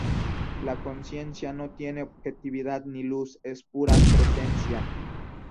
La conciencia no tiene objetividad ni luz, es pura presencia.